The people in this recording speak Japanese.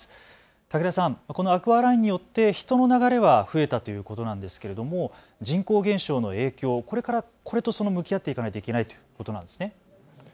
武田さん、このアクアラインによって人の流れは増えたということなんですけども人口減少の影響、これからそれと向き合っていかないといけないということなんですね。